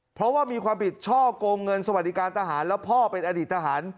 เพราะว่ามีความผิดช่อกงเงินสวัสดิการทหารแล้วพ่อเป็นอดีตทหาร